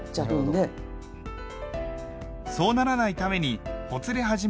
そうならないためにほつれ始めを処理します。